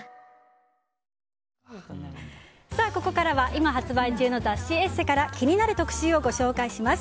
ここからは今発売中の雑誌「ＥＳＳＥ」から気になる特集をご紹介します。